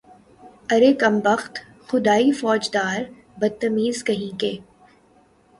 ارے کم بخت، خدائی فوجدار، بدتمیز کہیں کے